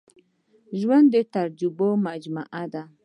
ژوند د تجربو مجموعه ده.